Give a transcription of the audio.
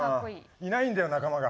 いないんだよ仲間が。